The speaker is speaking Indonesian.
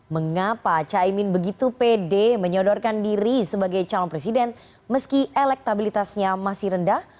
mengapa caimin begitu pede menyodorkan diri sebagai calon presiden meski elektabilitasnya masih rendah